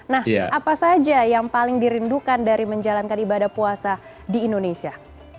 nah apa saja yang paling dirindukan dari menjalankan ibadah puasa di indonesia